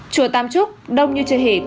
chùa tam trúc đông như chơi hỉ có đại dịch